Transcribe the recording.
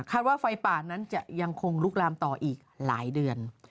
ว่าไฟป่านั้นจะยังคงลุกลามต่ออีกหลายเดือน